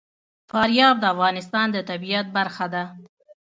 فاریاب د افغانستان د طبیعت برخه ده.